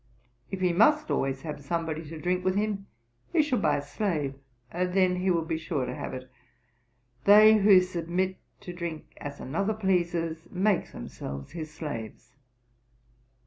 If he must always have somebody to drink with him, he should buy a slave, and then he would be sure to have it. They who submit to drink as another pleases, make themselves his slaves.'